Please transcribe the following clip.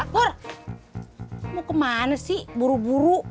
kur mau kemana sih buru buru